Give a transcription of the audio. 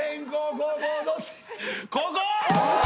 後攻！